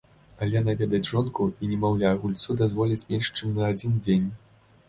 Але наведаць жонку і немаўля гульцу дазволяць менш чым на адзін дзень.